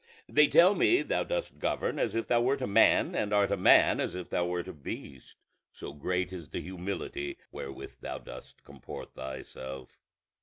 They tell me thou dost govern as if thou wert a man, and art a man as if thou wert a beast, so great is the humility wherewith thou dost comport thyself.